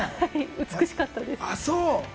美しかったです。